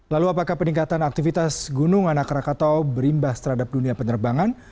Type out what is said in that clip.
lalu apakah peningkatan aktivitas gunung anak rakatau berimbas terhadap dunia penerbangan